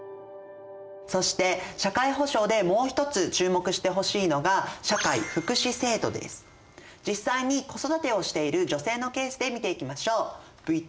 そして社会保障でもう一つ注目してほしいのが実際に子育てをしている女性のケースで見ていきましょう。